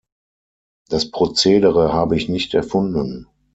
Das Prozedere habe ich nicht erfunden.